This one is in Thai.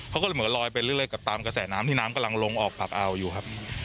เขาก็เลยเหมือนลอยไปเรื่อยกับตามกระแสน้ำที่น้ำกำลังลงออกผักเอาอยู่ครับ